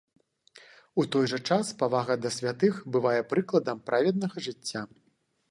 У той жа час павага да святых бывае прыкладам праведнага жыцця.